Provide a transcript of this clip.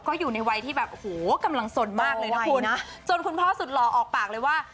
ก็อยู่ในวัยที่แบบโอ้โหกำลังสนมากเลยนะคุณจนคุณพ่อสุดหล่อออกปากเลยว่า